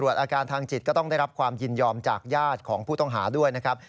อาการทางจิตก็ต้องได้รับความยินยอมจากญาติของผู้ต้องหาด้วยนะครับ